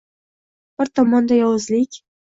Bir tomonda yovuzlik